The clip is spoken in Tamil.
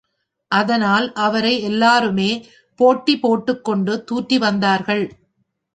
அதனால், அவரை எல்லாருமே போட்டிப் போட்டுக் கொண்டு தூற்றி வந்தார்கள்!